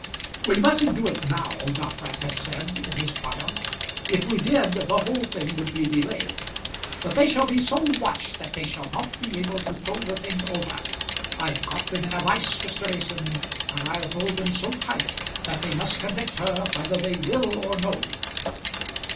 "We mustn't do it now," Dockwrath had said, in his triumph. "If we did, the whole thing would be delayed. But they shall be so watched that they shall not be able to throw the thing over. I've got them in a vice, Mr. Mason; and I'll hold them so tight that they must convict her whether they will or no."